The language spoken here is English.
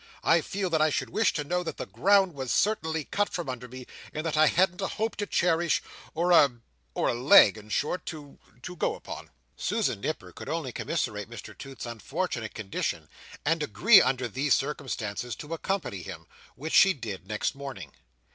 I feel that I should wish to know that the ground was certainly cut from under me, and that I hadn't a hope to cherish, or a—or a leg, in short, to—to go upon." Susan Nipper could only commiserate Mr Toots's unfortunate condition, and agree, under these circumstances, to accompany him; which she did next morning.